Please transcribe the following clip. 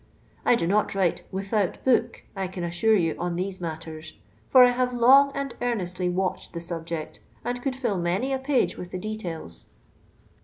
I do not write ' without book,' I can assure you, on these matters ; for I have long and earnestly watched the subject, and could fill many a page with the details."